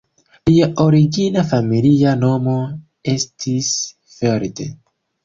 Lia origina familia nomo estis "Feld".